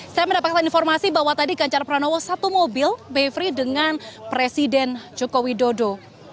saya mendapatkan informasi bahwa tadi ganjar pranowo satu mobil mevri dengan presiden joko widodo